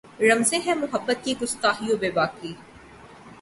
رمزیں ہیں محبت کی گستاخی و بیباکی